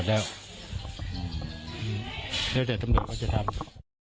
เดี๋ยวเสร็จตรวจเขาจะทำ